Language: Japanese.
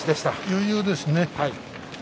余裕ですね。